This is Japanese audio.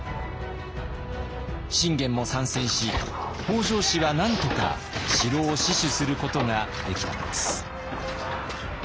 信玄も参戦し北条氏はなんとか城を死守することができたのです。